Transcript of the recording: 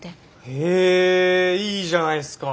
へえいいじゃないすか。